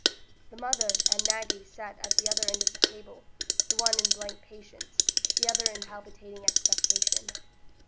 The mother and Maggie sat at the other end of the table, the one in blank patience, the other in palpitating expectation.